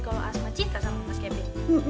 kalau asma cinta sama mas kb